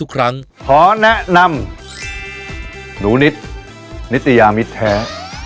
ขอแนะนำหนูนิตนิตยามิตแท้